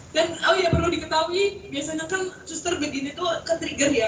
dan oh iya perlu diketahui biasanya kan suster begini tuh ketrigger ya